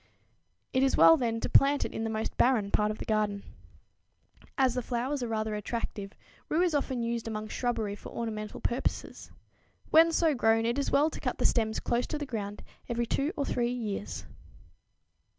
It is well, then, to plant it in the most barren part of the garden. As the flowers are rather attractive, rue is often used among shrubbery for ornamental purposes. When so grown it is well to cut the stems close to the ground every two or three years.